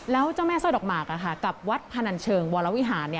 แล้วเจ้าแม่สร้อยดอกหมากกับวัดพนันเชิงวรวิหาร